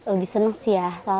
lebih senang sih ya